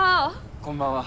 こんばんは。